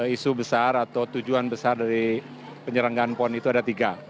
isu besar atau tujuan besar dari penyelenggaraan pon itu ada tiga